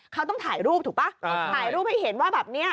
เขาต้องถ่ายรูปถูกป่ะถ่ายรูปให้เห็นว่าแบบเนี้ย